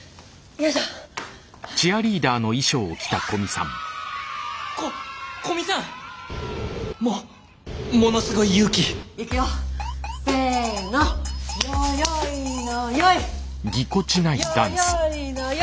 よいのよい！よ